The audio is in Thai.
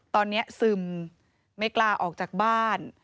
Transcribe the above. ตอนนี้ซึมไม่กล้าออกจากบ้าน